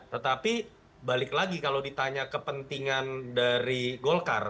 tetapi balik lagi kalau ditanya kepentingan dari golkar